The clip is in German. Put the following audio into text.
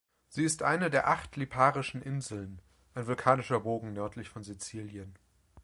Sie ist eine der acht Liparischen Inseln, ein vulkanischer Bogen nördlich von Sizilien.